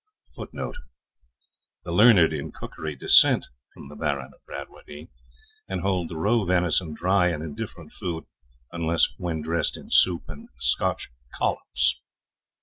[Footnote: The learned in cookery dissent from the Baron of Bradwardine, and hold the roe venison dry and indifferent food, unless when dressed in soup and Scotch collops.